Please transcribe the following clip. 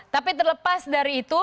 tapi terlepas dari itu